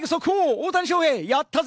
大谷翔平、やったぜ！